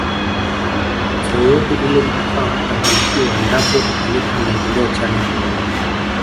Fursa yoyote ile inafaa kuchangamkiwa endapo italeta maendeleo chanya